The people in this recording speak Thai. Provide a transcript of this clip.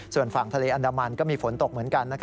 ส่วนฝั่งทะเลอันดามันก็มีฝนตกเหมือนกัน